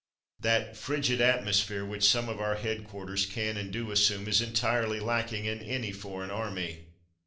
That frigid atmosphere which some of our "headquarters'' can and do assume is entirely lacking in any foreign army.